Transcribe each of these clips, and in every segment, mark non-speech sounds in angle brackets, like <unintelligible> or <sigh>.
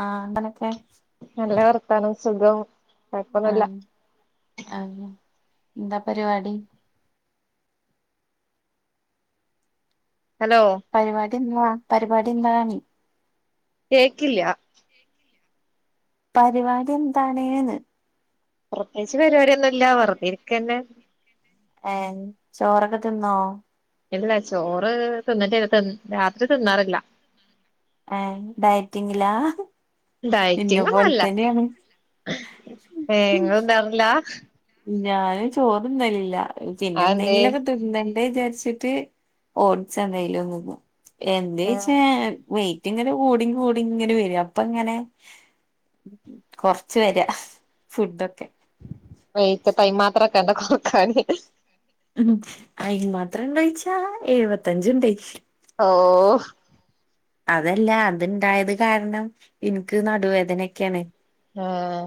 ആഹ് അങ്ങനൊക്കെ. നല്ല വർത്താനം സുഖം. കൊഴപ്പൊന്നുല്ല ആഹ് ആന്നേ എന്താ പരിപാടി. ഹലോ. പരിപാടിന്ത്വാ പരിപാടിന്ത്വാന്ന് കേക്കില്ല. പരിപാടിന്താണ് ന്ന്. പ്രത്യോകിച്ച് പരിപാടി ഒന്നും ഇല്ല വെറുതെ ഇരിക്കന്നെ. ഏഹ് ചോറൊക്കെ തിന്നോ ഇല്ല ചോറ് തിന്നിട്ടല്ല തി രാത്രി തിന്നാറില്ല. ഏഹ് ഡയറ്റിംഗിലാ. ഇന്നെപോൽതന്നെണ്. ഏഹ് ങ്ങള്ന്നാറ്ല്ല ഞാന് ചോറ് ന്നല് ല്ല അതെന്തേ പിന്നെന്തെങ്കിലൊക്ക ത്ത്ന്നണ്ടേ ചാര്ച്ചിട്ട് ഓട്സ ന്തേലും ത് ന്നും എന്തെയ്ച്ച ആഹ് വെയിറ്റ് ഇങ്ങനെ കൂടി കൂടി ങ്ങനെ വെര അപ്പ ങ്ങനെ കൊർച്ച് വെര ഫുഡൊക്കെ വെറ്റ് പ്പയ്ന്മാത്രൊക്കണ്ടാ കൊറ്ക്കാന് ഉം അയിന് മാത്ര ണ്ടൊയ്ച്ചാ എഴുവത്തഞ്ച് ണ്ടെയ് ഓഹ് അതല്ല അത്ണ്ടായത് കാര്ണം ഇൻക്ക് നടുവേദനെക്കെണ് ഏഹ്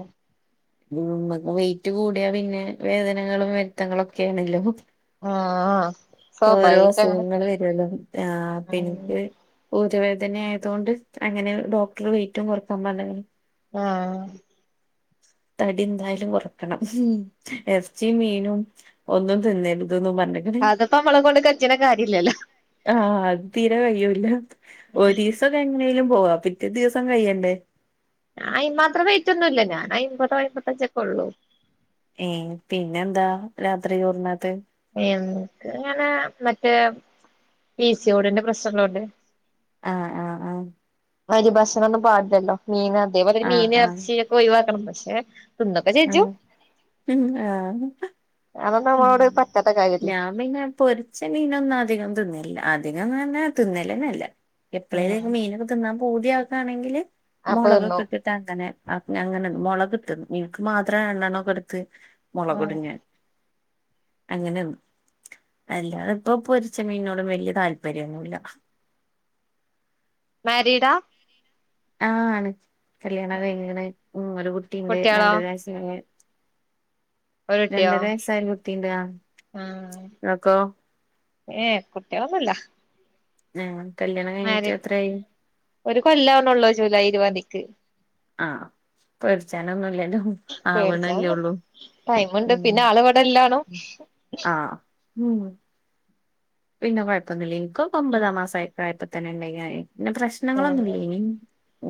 മ്മക്ക് വെയിറ്റ് കൂടിയാ പിന്നെ വേതനകളും വെര്ത്തങ്ങളൊക്കേണല്ലോ ആഹ് ഓരോ സ്വാഭാവികായിട്ട് അസുഖങ്ങള് വെരോല്ലോ ആഹ് അങ്ങനെ പിനിക്ക് ഊരവേദന ആയതോണ്ട് അങ്ങനെ ഡോക്ട്റ് വെയിറ്റും കൊർക്കാൻ പർഞ്ഞ്ക്ക്‌ണ് ആഹ് തടി ന്താലും കൊർക്കണം എർച്ചിം മീനും ഒന്നും തിന്നര്ത് ന്നും പർഞ്ഞ് അത്പ്പ അമ്മള കൊണ്ട് കജ്ജ്ണ കാര്യല്ലല്ലോ ആഹ് അത് തീരെ കയ്യൂല്ല ഒരീസ് സൊക്കെ എങ്ങനെലും പോവാ പിറ്റേ ദിവ്സം കയ്യണ്ടേ ഞാ അയ്ൻ മാത്ര വൈറ്റൊന്നുല്ല ഞാന് അയ്മ്പതോ അയ്മ്പത്തഞ്ചൊ ക്കൊ ഉള്ളൂ ഏഹ് പിന്നെന്താ രാത്രി ചോറുണ്ണത്തെ എൻക്ക് മറ്റേ പി സി ഒഡിന്റെ പ്രശ്നങ്ങളൊണ്ട് ആഹ് ആഹ് ആഹ് അരി ഭക്ഷണം ഒന്നും പാടില്ലല്ലോ മീൻ അതേപോലെ ആഹ് മീന് ആഹ് എർച്ചിയൊക്ക ഒഴിവാക്കണം പക്ഷേ ആഹ് ഉം ആഹ് അതൊന്ന് അമ്മളോട് പറ്റാത്ത കാര്യല്ലേ മീൻ ഞാ പൊരിച്ച മീനൊന്നു അധികം തിന്നല്ല അധികന്ന് പറഞ്ഞ തിന്നിലെന്നല്ല ഉം എപ്പളേലുനിക്ക് മീനൊക്കെ തിന്നാൻ പൂതിയാകാണെങ്കില് അപ്പൊ തിന്നും മൊളകൊക്കെയിട്ട് ട്ട് അങ്ങനെ അങ്ങനെ മൊളക്ട്ട് ന്നും ഇൻക്ക് മാത്ര രണ്ടണ്ണൊക്കെട്ത്ത് ഉം മൊളക്ടും ഞാൻ അങ്ങനെന്നും അല്ലാതിപ്പോ പൊരിച്ച മീനോടും വല്യ താല്പര്യന്നുല്ല മാരീടാ ആ ആണ് കല്യാണം കയിഞ്ഞാണ് ഉം ഒരു കുട്ടിണ്ട് കുട്ടികളോ രണ്ടര വയസ് കയിഞ്ഞ് ഒരു കുട്ടിയോ രണ്ടര വയസ്സായ കുട്ടിണ്ട് ആഹ് ആഹ് ങ്ങക്കോ ഏഹ് കുട്ടിളൊന്നുല്ല ഉം കല്യാണം കഴ്ഞ്ഞിട്ടെത്രയായി ഒരു കൊല്ലാവണൊള്ളു ജൂലൈ ഇരുവാന്തിക്ക് ആഹ് പേടിച്ചാനൊന്നുയില്ലഞ്ഞു പേടിച്ചാന്നും ടൈമ്ണ്ട് ഉം പിന്ന ആള് വിടില്ലാണു ആഹ് ഉം പിന്ന കൊഴ്പ്പൊന്നുല്ലേ ഇൻകൊക്ക ഒമ്പതാ മാസ ആയപ്പൊഴയ്പ്പത്തന്നെ ണ്ടെയ്നി ആയെ പിന്നെ പ്രശ്നങ്ങളൊന്നു ആഹ് ല്ലെയ്നി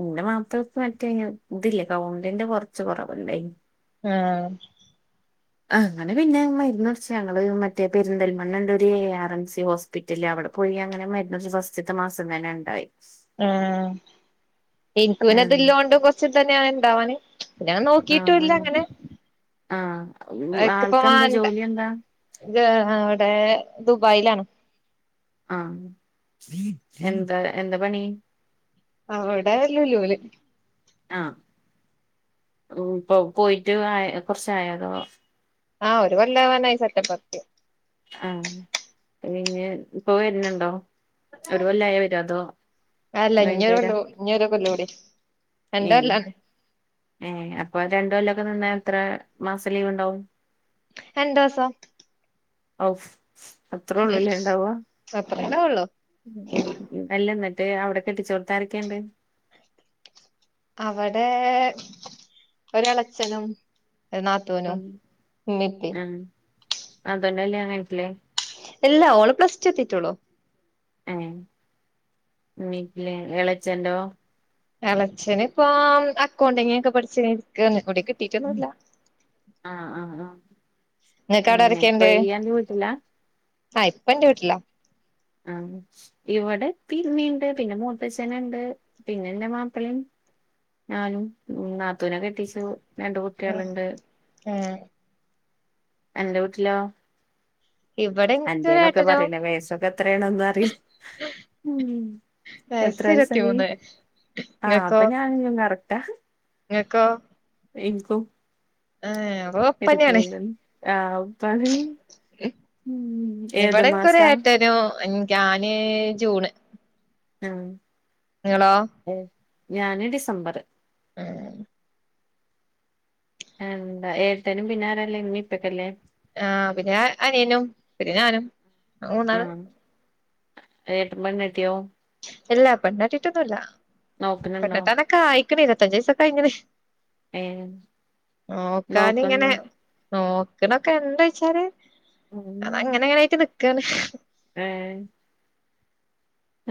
ഇന്റെ മാപ്പളക്ക്‌ മറ്റെയ്നു തില്ല കൗണ്ടിന്റെ കൊറച്ച് കൊറവുണ്ടെയ്നി ആഹ് അങ്ങനെ പിന്നെ മരുന്നുടിച്ചി അങ്ങള് മറ്റേ പെരിന്തൽമണ്ണണ്ട് ഒരു എ ആറ് എൻസി ഹോസ് പിറ്റല് അവിടെ പോയി അങ്ങനെ മരുന്നുമടിച്ചു ഫസ്റ്റ്ത്ത മാസങ്ങനെണ്ടായി ആഹ് ഇൻക്ക്‌ ഏഹ് പിന്നെതില്ലോണ്ട് കൊർച്ച തെന്നെണ് ഇണ്ടവാന് പിന്നങ്ങ നോ ആഹ് ക്കീറ്റുല്ല ആഹ് അങ്ങനെ ആഹ് അക്ക്‌പ്പ ആൾക്കെന്താ വാണ്ട ജോലി എന്താ ആഹ് അവിടെ ദുബായിലാണ് ആഹ് എന്താ എന്ത പണി അവിടെ ലുലൂല് ആഹ് റൂം പ്പൊ പോയിറ്റ് കൊർച്ചായൊ അതോ ആഹ് ഒരു കൊല്ലവനായി സെപ്റ്റംബലേക്ക് ആഹ് പിന്നെഞ്ഞിപ്പോ വെരുന്നുണ്ടോ അത് അല്ല കഴിഞ്ഞിട്ട് വരാ ഇഞ്ഞോരുകൊല്ല ഇഞ്ഞൊരോല്ലാം കൂടി. ഏഹ് ന്റല്ല ഏഹ് അപ്പൊ രണ്ടൊല്ലൊക്കെ നിന്ന എത്ര മാസം ലീവ്ണ്ടാവും രണ്ട് മാസം ഔ അത്രോള്ളുലേ ണ്ടാവ്വ അത്രണ്ടാവുള്ളൂ ഉം ഉം അല്ല മറ്റേ അവിടെ കെട്ടിച്ചോട്ത്താരക്കെണ്ട് അവടെ ഒരെളച്ഛനും ഒരു നാത്തൂ ആഹ് ആഹ് അതന്നെല്ലേ <unintelligible> എല്ലാ ഓള് പ്ലസ് ടു എത്തിട്ടുള്ളൂ ഏഹ് <unintelligible> എളച്ചന്റോ എളച്ചനിപ്പം അക്കൗണ്ടിങ്ങൊക്കെ പഠിച്ചിങ്ങനെ ഇരിക്കാണ് യവി ആഹ് ആഹ് ആഹ് ഇങ്ങക്ക് അങ്ങനെ ഇപ്പൊ യന്റെ വീട്ടില ആ പ്പന്റെ വീട്ടില ആഹ് ഇവിടെ പ്പിമ്മിണ്ട് പിന്നെ മൂത്തച്ചനുണ്ട് പിന്നെന്റെ മാപ്പിളം ഞാനും നാത്തൂനെ കെട്ടിച്ചു രണ്ട് കുട്ടിളുണ്ട് ആഹ് അന്റെ വീട്ടിലോ ഇവിടെ അന്റെന്നൊക്കെ എനിക്കൊരേട്ടനും പറിണേ വയസൊക്കെ എത്രെണെന്നൊന്നും അറീല എത്ര വയസ്സ് വയസായി ഇരുപത്തിമൂന്ന് ആ ഇങ്ങക്കോ അപ്പൊ ഞാനും ഇയും കറക്റ്റാ. ഇങ്ങക്കോ എൻക്കും ഏഹ് അപ്പൊ ഒപ്പന്നെയാണ് എടുത്തോണ്ട് ആഹ്‌ <unintelligible> ഇവിടെ ഇൻക്കൊരു മാസാ ഏട്ടനും ഞാന് ജൂണ് ഉം ങ്ങള്ളോ ഏ ഞാന് ഡിസംബർ <unintelligible> എന്താ ഏട്ടനും പിന്നാരാള്ളത് മ്മി ഇപ്പൊക്കല്ലേ ആഹ് പിന്നെ അനിയനും പിന്നെ ഞാനും. ഞങ്ങള് മൂന്നാള് ഉം എട്ടൻ പെണ്ണ് കെട്ടിയോ ഇല്ല പെണ്ണേട്ടീട്ടൊന്നൂല്യ നോക്കണുണ്ടോ പെണ്ണെട്ടാനൊക്കെ ആയിക്കണ് ഇരുപത്താഞ്ച് വയസൊക്കെ കയിഞ്ഞ്ണ്. ഏ നോക്കാനിങ്ങനെ നോക്കണ്ടോ നോക്കണൊക്കെണ്ട് ചോയിച്ചാല് അതങ്ങന ഇങനെയിട്ട് നിക്കാണ് ഏഹ്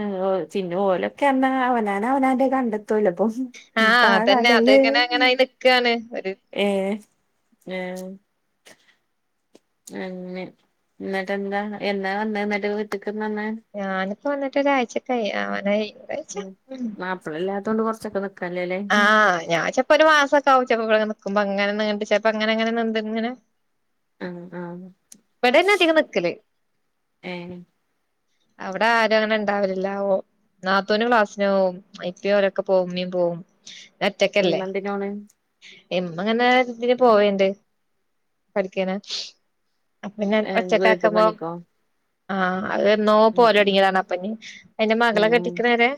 ഏ ഓ ച്ചിന്ന ഓലൊക്കെ അന്നാ അവനാന അവനാന്റെ കണ്ട.. ചെലപ്പോം ഉം ആഹ് അതന്നെ അത് കാണാലെല്ലേ ഇങ്ങനെ അങ്ങനായി നിക്കാണ് ഒരു ഏഹ് ഏഹ്. അങ്ങനെ ഇന്നിട്ട് എന്താ എന്നാ വന്നേ ഇന്നിട്ട് വീട്ട്ക്ക് എന്നാ വന്നേ ഞാനിപ്പോ വന്നിട്ട് ഒരാഴ്ചക്കായി ആവാനായി. ഉം മാപ്പളല്ലാത്തോണ്ട് കൊർച്ചൊക്കെ നിക്ക് ആഹ് ഞാൻ ചെൽപ്പോ ഒരു മാസൊക്കെവും ചെൽപ്പോ ഇവടങ്ങനെ നിക്കുമ്പോ അങ്ങനെ നീണ്ട് ചെൽപ്പോ അങ്ങനെ അങ്ങനെ നീണ്ട്ങ്ങനെ. ആഹ് ആഹ് ഇവിടെന്നെ അധികം നിക്കല് ഏഹ്. അവിടെ ആരും അങ്ങനെ ഉണ്ടാവലില്ല ഓ നാത്തൂന് ക്ലാസ്സിന് പോവും ഇപ്പി ഓലൊക്കെ പോവും ഇമ്മീ പോവും. ഒറ്റക്കല്ലേ ഇമ്മ എന്തിനോണ് ഇമ്മങ്ങനെ ഇതിന് പോവണ്ട് പഠിക്കാന് അപ്പം പിന്നെ വീട്ട് ഒറ്റക്കാക്കുമ്പോം പണിക്കോ ആഹ്. അത് എന്നോ ഉം പോവാലോടൊങ്ങിയതാണ് അപ്പഞ്ഞി അയിന്റെ ഉം മകളെ കെട്ടിക്ക്ണരെ.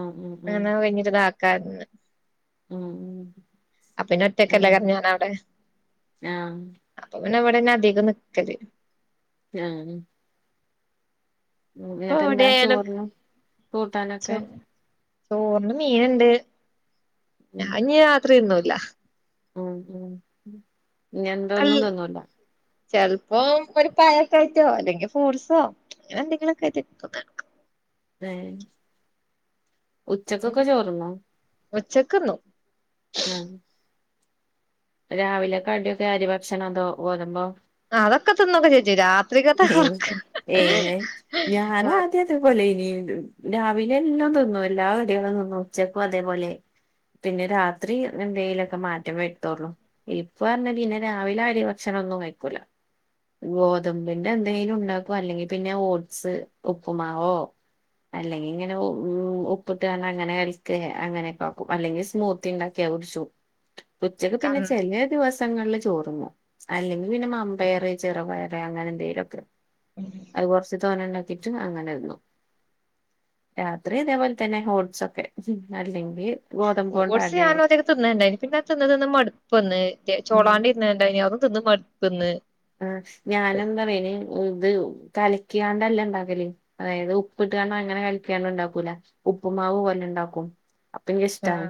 ഉം ഉം ഉം അനാ കഞ്ഞിട്ട ഇതാക്കാന്ന് ഉം ഉം അപ്പ പിന്നെ ഉം ഒറ്റക്കല്ലേകാരം ഞാൻ അവടെ ആ അപ്പൊ പിന്നെ ഇവടെന്നെ അധികം നിക്കല്. ഞാന് ഉം ഇപ്പൊ എന്നിട്ടെന്താ എവിടെയായാലും ചോറ്ന് ചോ ചോറിന് മീനിണ്ട് ഉം ഞാൻ ഇനി രാത്രി തിന്നൂലാ. ഉം ഉം ഇനിയെന്താ ഒന്നും തിന്നൂലാ. ചെൽപ്പോ ഒരു പഴൊക്കെ ഇട്ത്തോ അല്ലെങ്കിൽ ഫ്രൂട്സോ അങ്ങനെ എന്തെങ്കിലുക്കെയിട്ട് തിന്ന് ഏഹ് ഉച്ചക്കൊക്കെ ചോർന്നോ ഉച്ചക്ക്ന്നും. ഞാന് രാവിലെ കടിയൊക്കെ അരി ഭക്ഷണോ അതോ ഗോതമ്പോ അതൊക്കെ തിന്നോകെച്ചെയ്ജ്ജും രാത്രികത്തെ ഏ കൊറക്ക അതേപോലെനിണ്ട് രാവിലെ എന്നും തിന്നുല്ല കടികളും തിന്നും ഉച്ചക്കും അതേപോലെ. പിന്നെ രാത്രി എന്തയിലൊക്കെ മാറ്റം വരുത്തൊള്ളു ഇപ്പോ പറഞ്ഞ പിന്നെ രാവിലെ അരി ഭക്ഷണം ഒന്നും കഴിക്കൂല ഗോത ഗോതബിന്റെ എന്തേലുണ്ടാകും അല്ലെങ്കിൽ പിന്നെ ഓട്സ് ഉപ്പുമാവോ അല്ലെങ്കി ഇങ്ങനെ ഉ ഉപ്പിട്ടാണ്ട് അങ്ങനെ കൽക്കെ അങ്ങനെകാക്കും അല്ലെങ്കി സ്മൂത്തി ഉണ്ടാക്കും. <unintelligible> ഉച്ചക്ക് ക പിന്നെ ചെലെ ദിവസങ്ങളിൽ ചോറ്ന്നും അല്ലെങ്കിൽ പിന്നെ മമ്പയർ ചെറുപയറ് ങേ അങ്ങനെ എന്തേലൊക്കെ. ഉം അത് കുറച്ച് തോനെണ്ടാക്കിട്ട് അങ്ങനെ തിന്നും രാത്രി ഇതേപോൽതന്നെ, ഓട്സൊക്കെ, അല്ലെങ്കി- ഗോതമ്പോണ്ട് ഓട്സ് അടെ ഞാനൊധ്യേതിക്കെ ത്ന്നല്ണ്ടായി പിന്നത് ത്ന്ന് ത്ന്ന തിന്ന് മടുപ്പന്ന്. ഉം ചോളാണ്ടി- ണ്ടയ്നി അതും തിന്ന് മടുപ്പന്ന്. ് ഞാനെന്താറ്യോ അയിന്, ത് ഉ കലക്കിയാണ്ടല്ല ണ്ടാക്കല്. അതായത് ഉപ്പ്ട്ടാണ്ട് അങ്ങനെ കലക്കിയാണ്ട് ണ്ടാക്കൂല. ഉപ്പുമാവ് പോലെ ഉണ്ടാക്കും. അപ്പെനിക്കിഷ്ടാ. ആഹ്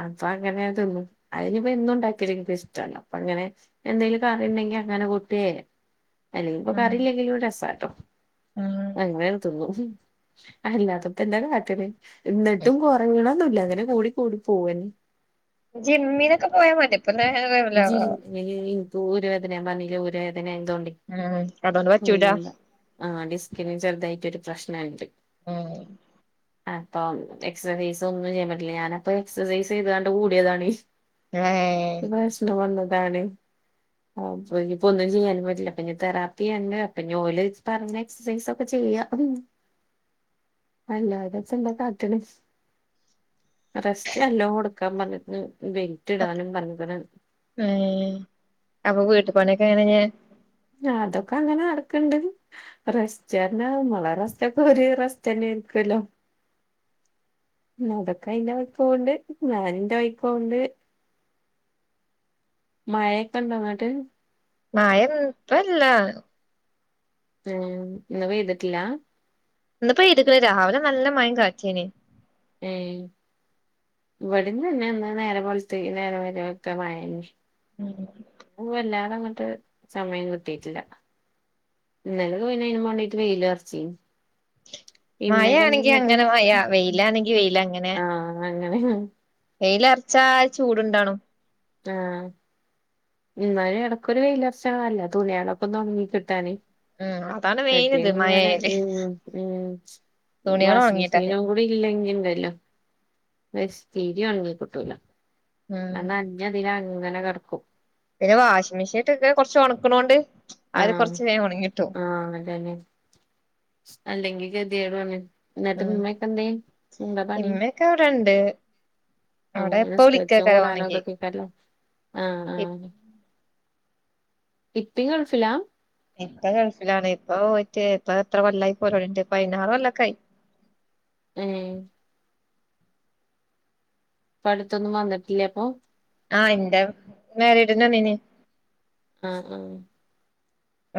അപ്പൊ അങ്ങനെ ഞാ തിന്നും, അതിനിപ്പൊ എന്നുണ്ടാക്ക്യാലും ൻക് ഇഷ്ട്ടാട്ടോ അപ്പൊ അങ്ങനെ എന്തെലും- ണ്ടെങ്കി അങ്ങനെ കൂട്ടേ, അല്ലെങ്കിൽ പ്പൊ ഉം കറിയില്ലെങ്കിലും രസാട്ടോ. ഉം അങ്ങനെട് തിന്നും, അല്ലാതപ്പൊ എന്താ കാട്ടല്. ന്നിട്ടും കൊറീണൊന്നുല്ല അങ്ങനെ കൂടി കൂടി പോവന്നെ. ജിമ്മിനൊക്കെ പോയാ മതി, പ്പങ്ങനെ <unintelligible> ഏ ഏ. ഐനെടീ ഇൻക് ഊരവേദന, ഞാൻ പറഞ്ഞില്ലേ ഊരവേദനായതോണ്ടയ്. ആ ഇൻകതോണ്ട് പറ്റൂലാ. ആഹ്. ഡിസ്കിന് ചെറുതായിട്ടൊരു പ്രശ്നണ്ട്. ആഹ്. അപ്പൊ എക്സസൈസ് ഒന്നും ചെയ്യാൻ പറ്റില്ല. ഞാനപ്പൊ എക്സസൈസ് ചെയ്താണ്ട് കൂടിയതാണ്. <unintelligible> എ ഏഏ പ്പൊ വന്നതാണ്. അപ്പൊഞിപ്പൊ ഒന്നും ചീയ്യാനും പറ്റില്ല. അപ്പഞി തെറാപ്പിയ്യാന്നെ അപ്പ ഞി ഓല് പറഞ്ഞേ- എക്സസൈസൊക്കെ ചെയ്യ. അല്ലാതെ ജ്ജെന്താ കാട്ട്ണ്. റസ്റ്റ്ല്ലോ ട്ക്കാൻ പറഞ്ഞ്ക്ക്ണ്. ബെൽറ്റ് ഇടാനും പറഞ്ഞ്ക്ക്ണ്. ഏ അപ്പൊ വീട്ട് പണിയൊക്കെ എങ്ങനെ ചിയ്യ. ആതൊക്കെ അങ്ങനെ നടക്ക്ണ്ട്. റസ്റ്റ്ർഞ, നമ്മളെ റസ്റ്റൊക്കെ ഒരു റസ്റ്റന്നെ ആയിരിക്കോല്ലോ. അതൊക്കെ അയിന്റെ വൈക്കോണ്ട്, ഞാൻ ന്റെ വൈക്കോണ്ട്. മഴയൊക്കെണ്ടോങ്ട്ട്. മയെന്നുപ്പല്ലാ. ം ന്ന് പെയ്തിട്ടില്ലാ. ഇന്ന് പെയ്ത്ക്ക്‌ണ് രാവിലെ നല്ല മഴെം കാറ്റേന്. ഏഹ് ഇവിടെം തന്നെ ഇന്ന് നേരം വെളുത്ത് ഈ നേരം വെള്ത്ത മഴെന്നെ ം ന്ന് വല്ലാതങ്ങ്ട്ട് സമയം കിട്ടീട്ടില്ല ഇന്നാലെ മുഴുവനും അയ്നും മേണ്ടീട്ട് വെയിലുറച്ചീന്നു. മഴയാണെങ്കി ഇമ്മെകെന്തിന്ന്ട്ട് അങ്ങനെ മഴ വെയിലാണെങ്കി ആഹ് അങ്ങനെണ്. വെയ്ലെർച്ചാ ചൂട്‌ണ്ടാണും ആഹ് ഇന്നാലും എടക്കൊരു വെയിലൊറച്ചാല്ലല്ലേ തുണ്യിളൊക്കൊന്ന് ഒണങ്ങി കിട്ടാന്. ഉം അതാണ് മെയിൻ ഇത് മറ്റേത്ങനെ മഴയായാല് ഉം ഉം തുണികൾ ഉണങ്ങിയിട്ടാല് വാഷ്മെഷീനൊന്നും‌ ഇല്ലെങ്കിണ്ടല്ലോ <unintelligible> തീരി ഒണങ്ങി കിട്ടൂല ഉം ന്ഞതിലങ്ങനെ കടക്കും. പിന്നെ വാഷാമെഷീൻ ട്ട് കൊറച്ച് ഒണക്കാണോണ്ട് ആഹ് ആഹ് അതേലെ അല്ലെങ്കി ഗതികേടാണ് ം ഇമ്മൊക്കെവടണ്ട് അങ്ങനെ സ്കരിച്ചു ഖുർആനോതൊ ക്കേക്കാരല്ലോ. ആഹ് ആഹ് ഇപ്പീം ഗൾഫിലാ? ഇപ്പ ഗൾഫിലാണ് ഇപ്പ പോയിട്ട് ഇപ്പ എത്ര കൊല്ലായി പോയിട്ട് പതിനാറ് കൊല്ലൊക്കയി ം പ്പടുത്തൊന്നും വന്നിട്ടില്ല അപ്പൊ? ആഹ് എന്റെ മാരീഡ് ന് വന്നീന് ആഹ് ഹ്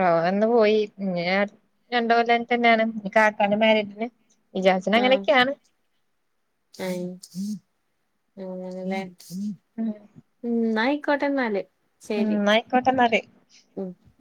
ആഇന്ന് പോയി ഇനി അട് രണ്ട് കൊല്ലം തന്നാണ് ഇനി കാക്കാന്റെ മേരേജിന് വിചാരിച്ചിന് അങ്ങനെക്കാണ് അയ് അങ്ങനെലേ ഉം ഉം ന്നായിക്കോട്ടെന്നാല് ഉം ന്നായിക്കോട്ടെന്നാല് ഉം